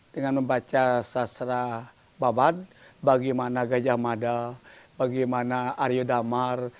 dengan membaca sastra babat bagaimana gajah mada bagaimana aryo damar